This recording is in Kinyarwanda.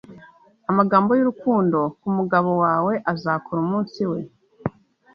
amagambo y'urukundo kumugabo wawe azakora umunsi we